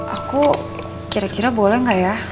aku kira kira boleh nggak ya